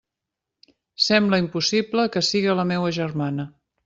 Sembla impossible que siga la meua germana!